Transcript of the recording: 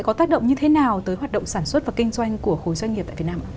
điều này sẽ có tác động như thế nào tới hoạt động sản xuất và kinh doanh của khối doanh nghiệp tại việt nam